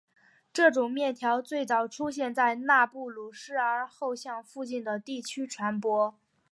这种面条最早出现在纳布卢斯而后向附近的地区传播。